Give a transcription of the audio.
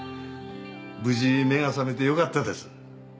無事目が覚めてよかったです。